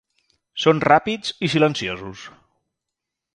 Són ràpids i silenciosos.